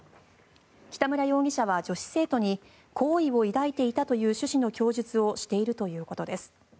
北村容疑者は女子生徒に好意を抱いていたという趣旨の供述をしているということです。